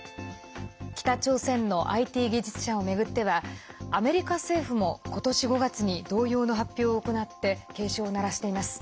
北朝鮮のＩＴ技術者を巡ってはアメリカ政府も、今年５月に同様の発表を行って警鐘を鳴らしています。